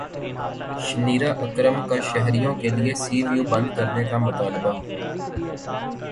Shaniera Akram کا شہریوں کیلئے سی ویو بند کرنے کا مطالبہ